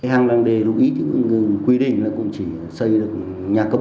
hành lãng đề lưu ý quy định là cũng chỉ xây được nhà cấp bốn